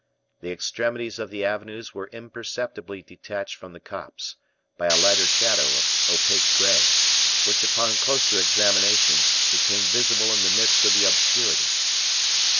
The extremities of the avenues were imperceptibly detached from the copse, by a lighter shadow of opaque gray, which, upon closer examination, became visible in the midst of the obscurity.